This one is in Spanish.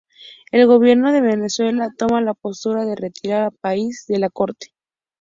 El gobierno de Venezuela toma la postura de retirar a país de la corte.